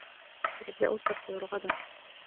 سيبدأ التّصوير غدا.